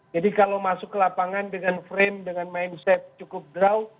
jadi kalau masuk ke lapangan dengan frame dengan mindset cukup draw